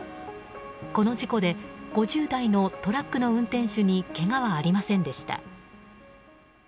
この事故で５０代のトラックの運転手にけがはありませんでした。